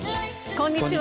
こんにちは。